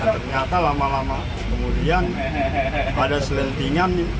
ternyata lama lama kemudian pada selentingan